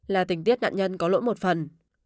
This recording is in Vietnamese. là tình tiết nạn nhân có lỗi một phần